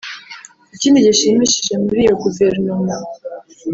Ikindi gishimishije muri iyo Guverinoma